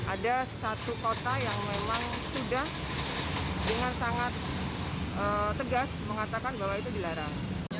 ada satu kota yang memang sudah dengan sangat tegas mengatakan bahwa itu dilarang